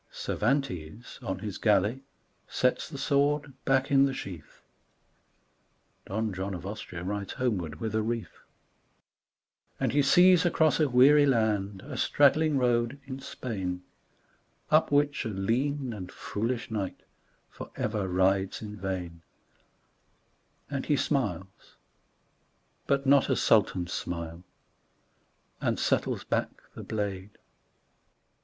Cervantes on his galley sets the sword back in the sheath, (Don John of Austria rides homeward with a wreath,) And he sees across a weary land a straggling road in Spain, Up which a lean and foolish knight forever rides in vain, And he smiles, but not as Sultans smile, and settles back the blade